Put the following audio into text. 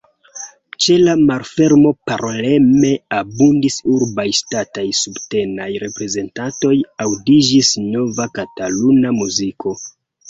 Ĉe la malfermo paroleme abundis urbaj, ŝtataj, subtenaj reprezentantoj, aŭdiĝis nova kataluna muziko.